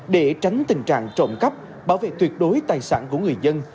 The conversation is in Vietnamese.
để tránh tình trạng trộm cắp bảo vệ tuyệt đối tài sản của người dân